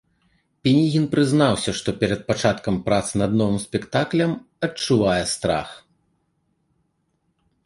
Пінігін прызнаўся, што перад пачаткам працы над новым спектаклем адчувае страх.